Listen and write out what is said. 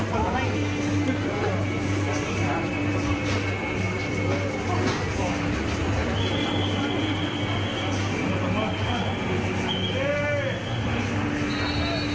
ก็ตรงไปที่ลานจอดฮอล์หรือเปล่า